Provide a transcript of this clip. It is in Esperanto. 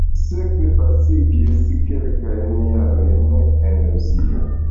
Li sekve pasigis kelkajn jarojn en Rusio.